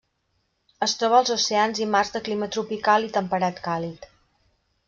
Es troba als oceans i mars de clima tropical i temperat càlid.